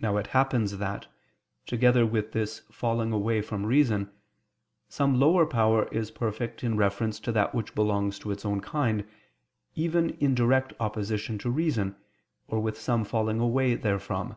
Now it happens that, together with this falling away from reason, some lower power is perfect in reference to that which belongs to its own kind, even in direct opposition to reason, or with some falling away therefrom.